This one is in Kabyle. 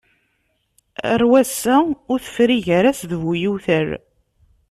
Ar wass-a ur tefri gar-as d bu yiwtal.